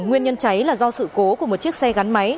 nguyên nhân cháy là do sự cố của một chiếc xe gắn máy